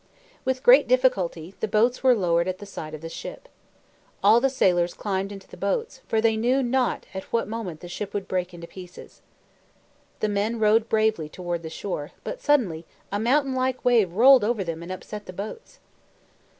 With great difficulty, the boats were lowered at the side of the ship. All the sailors climbed into the boats, for they knew not at what moment the ship would break to pieces. The men rowed bravely toward the shore, but suddenly a mountain like wave rolled over them and upset the boats.